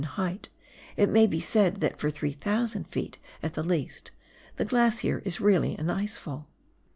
in height, it may be said that for 3,000 ft. at the least, the glacier is really an ice fall.